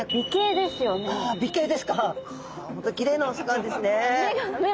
きれいなお魚ですね！